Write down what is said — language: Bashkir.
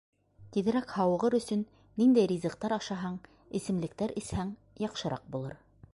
Тиҙерәк һауығыр өсөн ниндәй ризыҡтар ашаһаң, эсемлектәр эсһәң, яҡшыраҡ булыр?